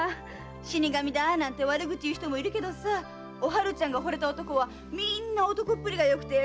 “死神だ”なんて悪口言う人もいるけどさお春ちゃんが惚れた男はみんな男っぷりがよくて出世したんだ。